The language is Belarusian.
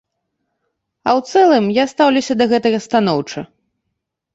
А ў цэлым я стаўлюся да гэтага станоўча.